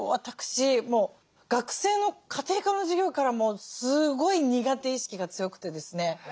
私もう学生の家庭科の授業からもうすごい苦手意識が強くてですね。